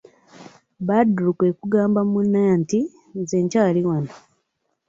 Badru kwe kugamba munne nti:"nze nkyali wanno"